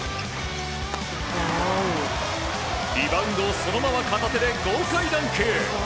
リバウンドをそのまま片手で豪快ダンク！